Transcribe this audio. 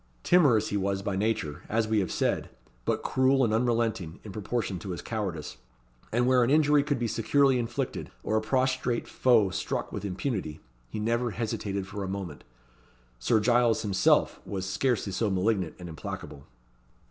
Timorous he was by nature, as we have said, but cruel and unrelenting in proportion to his cowardice; and where an injury could be securely inflicted, or a prostrate foe struck with impunity, he never hesitated for a moment. Sir Giles himself was scarcely so malignant and implacable.